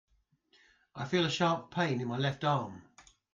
I feel a sharp pain in my left arm.